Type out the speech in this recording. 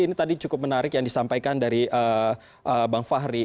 ini tadi cukup menarik yang disampaikan dari bang fahri